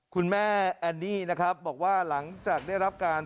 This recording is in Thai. คุณแม่แอนนี่นะครับบอกว่าหลังจากได้รับการ